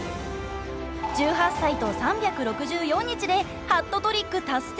１８歳と３６４日でハットトリック達成。